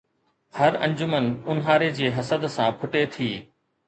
هر انجمن اونهاري جي حسد سان ڦٽي ٿي